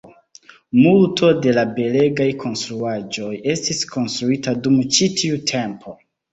Multo de la belegaj konstruaĵoj estis konstruita dum ĉi tiu tempo.